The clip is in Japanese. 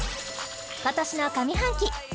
今年の上半期